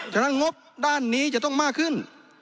ฉะนั้นงบด้านนี้จะต้องมากขึ้น